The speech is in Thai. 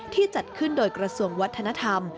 จัดขึ้นโดยกระทรวงวัฒนธรรม